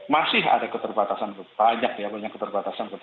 masih ada keterbatasan pajak ya banyak keterbatasan